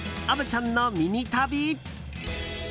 虻ちゃんのミニ旅。